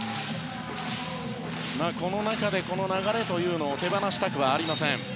この中で、この流れというのを手放したくはありません。